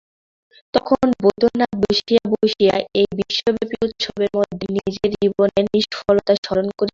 তখন বৈদ্যনাথ বসিয়া বসিয়া এই বিশ্বব্যাপী উৎসবের মধ্যে নিজের জীবনের নিষ্ফলতা স্মরণ করিতেছিলেন।